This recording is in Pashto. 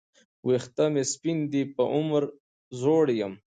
وېښته مي سپین دي په عمر زوړ یم